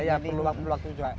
ya perlu waktu